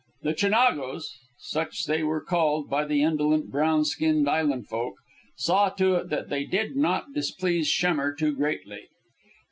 The Chinagos such they were called by the indolent, brown skinned island folk saw to it that they did not displease Schemmer too greatly.